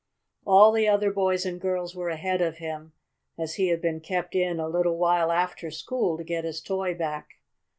All the other boys and girls were ahead of him, as he had been kept in a little while after school to get his toy back.